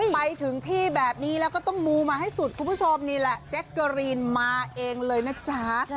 ไปถึงที่แบบนี้แล้วก็ต้องมูมาให้สุดคุณผู้ชมนี่แหละแจ๊กเกอรีนมาเองเลยนะจ๊ะ